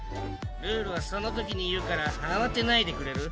ルールはその時に言うから慌てないでくれる？